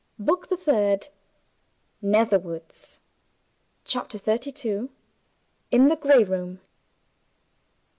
BOOK THE THIRD NETHERWOODS. CHAPTER XXXII. IN THE GRAY ROOM.